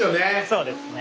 そうですね。